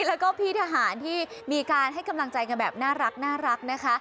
แล้วก็พี่ทหารที่มีการให้กำลังใจกันแบบน่ารักนะคะ